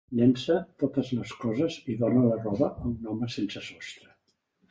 Llença totes les coses i dóna la roba a un home sensesostre.